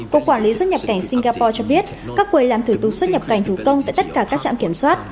cục quản lý xuất nhập cảnh singapore cho biết các quầy làm thủ tục xuất nhập cảnh thủ công tại tất cả các trạm kiểm soát